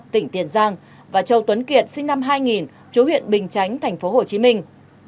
tỉnh tiền giang và châu tuấn kiệt sinh năm hai nghìn chú huyện bình chánh thành phố hồ chí minh